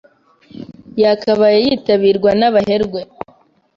yakabaye yitabirwa n’abaherwe,